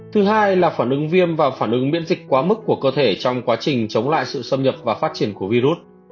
thứ hai là phản ứng viêm và phản ứng miễn dịch quá mức của cơ thể trong quá trình chống lại sự xâm nhập và phát triển của virus